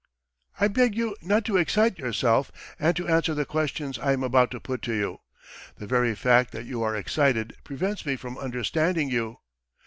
"I beg you not to excite yourself and to answer the questions I am about to put to you. The very fact that you are excited prevents me from understanding you.